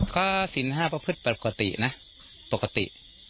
ก็สินห้าประพฤติปกตินะปกติ